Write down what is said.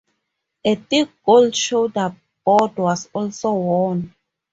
A thick gold shoulder board was also worn.